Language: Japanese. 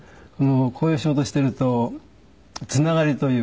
こういう仕事をしてるとつながりという。